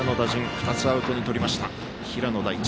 ２つアウトにとりました平野大地。